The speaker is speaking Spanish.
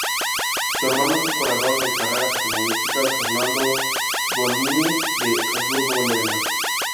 Su hermano es un corredor de carreras automovilísticas, Fernando Zvonimir de Habsburgo-Lorena.